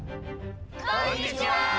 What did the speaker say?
こんにちは！